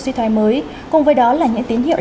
suy thoái mới cùng với đó là những tín hiệu